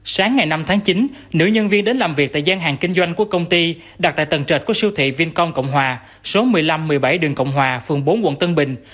sáng ngày năm tháng chín nữ nhân viên đến làm việc tại gian hàng kinh doanh của công ty đặt tại tầng trệt của siêu thị vincom cộng hòa số một mươi năm một mươi bảy đường cộng hòa phường bốn quận tân bình